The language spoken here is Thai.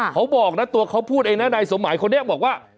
เขาบอกนะตัวเขาพูดเองนะนายสมหมายคนนี้บอกว่า